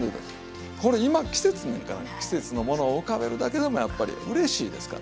これ今季節に季節のものを浮かべるだけでもやっぱりうれしいですからね。